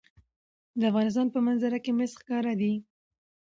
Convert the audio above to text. د افغانستان په منظره کې مس ښکاره ده.